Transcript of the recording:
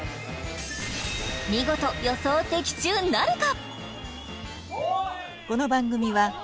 見事予想的中なるか？